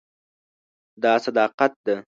دا صداقت ده.